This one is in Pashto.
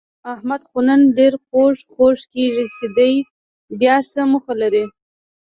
احمد خو نن ډېر خوږ خوږ کېږي، چې دی بیاڅه موخه لري؟